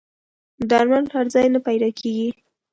درمل هر ځای نه پیدا کېږي.